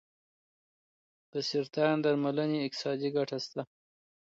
د سرطان درملنې اقتصادي ګټې شته.